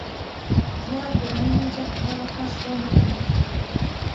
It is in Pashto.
دواړه کورنۍ يو ځای پر هغه فرش باندې کښېناستلې.